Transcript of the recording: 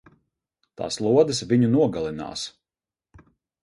Tās lodes viņu nogalinās!